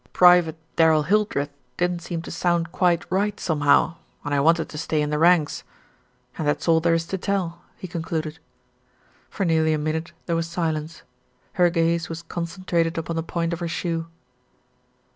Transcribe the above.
Private Darrell Hildreth didn't seem to sound quite right somehow, and I wanted to stay in the ranks. And that's all there is to tell," he concluded. For nearly a minute there was silence. Her gaze was concentrated upon the point of her shoe.